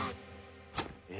え！